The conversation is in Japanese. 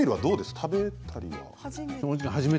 食べたりは？